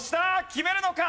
決めるのか？